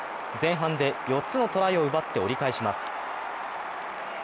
前半で４つのトライを奪って折り返します。